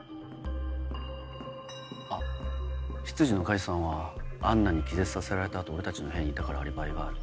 あっ執事の梶さんはアンナに気絶させられた後俺たちの部屋にいたからアリバイがある。